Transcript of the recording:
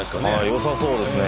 良さそうですね。